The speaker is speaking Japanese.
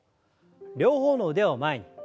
両方の腕を前に。